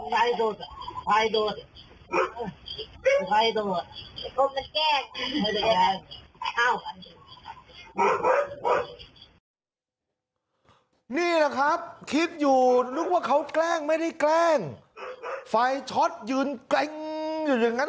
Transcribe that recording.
นี่แหละครับคิดอยู่นึกว่าเขาแกล้งไม่ได้แกล้งไฟช็อตยืนเกร็งอยู่อย่างนั้น